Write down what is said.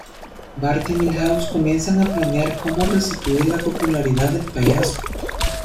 Bart y Milhouse comienzan a planear cómo restituir la popularidad del payaso.